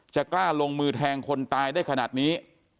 กล้าลงมือแทงคนตายได้ขนาดนี้